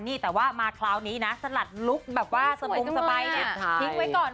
นี่แต่ว่ามาคราวนี้นะสลัดลุคแบบว่าสบงสบายเนี่ยทิ้งไว้ก่อน